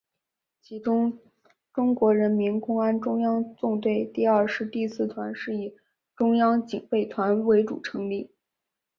其中中国人民公安中央纵队第二师第四团是以中央警备团为主成立。